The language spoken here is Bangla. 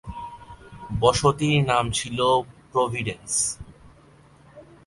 বসতির নাম ছিল "প্রভিডেন্স।"